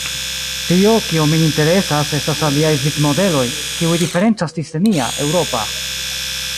Tio, kio min interesas, estas aliaj vivmodeloj, kiuj diferencas disde nia, eŭropa.